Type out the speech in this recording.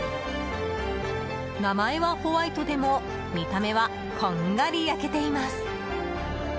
名前はホワイトでも見た目はこんがり焼けています。